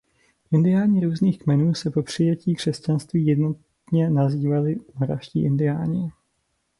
Indiáni různých kmenů se po přijetí křesťanství jednotně nazývali „moravští indiáni“.